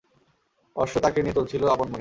অশ্ব তাকে নিয়ে চলছিল আপন মনে।